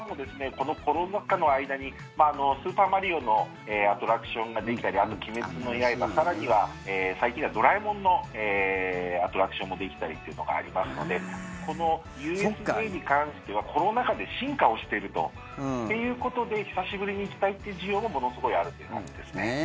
このコロナ禍の間に「スーパーマリオ」のアトラクションができたりあと「鬼滅の刃」更には最近では「ドラえもん」のアトラクションもできたりっていうのがありますのでこのＵＳＪに関してはコロナ禍で進化をしているということで久しぶりに行きたいっていう需要もものすごいあるっていう感じですね。